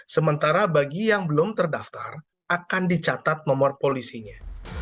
sementara bagi yang belum terdaftar akan dicatat nomor polisinya